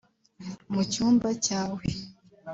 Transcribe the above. mu cyumba cyawe